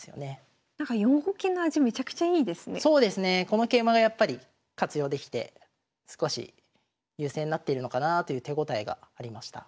この桂馬がやっぱり活用できて少し優勢になってるのかなという手応えがありました。